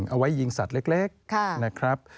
เอาไว้ยิงสัตว์เล็กนะครับ